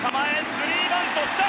スリーバントした！